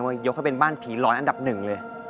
เราจะตามเจ้านั่ง